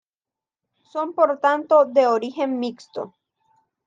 Son por tanto de origen mixto.